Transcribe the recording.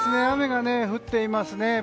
雨が降っていますね。